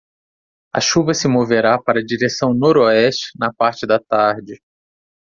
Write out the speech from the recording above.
A chuva se moverá para a direção noroeste na parte da tarde.